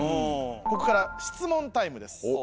ここから質問タイムです。